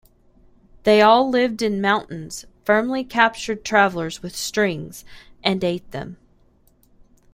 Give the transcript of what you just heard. They all lived in mountains, firmly captured travelers with strings, and ate them.